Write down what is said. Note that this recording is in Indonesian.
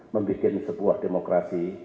membuat sebuah demokrasi